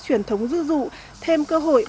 truyền thống dư dụ thêm cơ hội